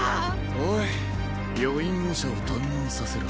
おい余韻オシャを堪能させろ。